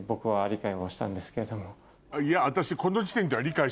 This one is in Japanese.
いや私。